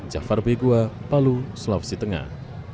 jafar begua palu sulawesi tengah